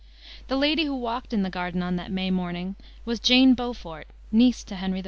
The lady who walked in the garden on that May morning was Jane Beaufort, niece to Henry IV.